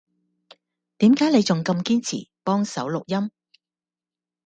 點解你仲咁堅持幫手錄音？